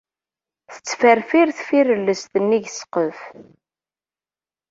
Tettferfir tfirellest nnig n ssqef.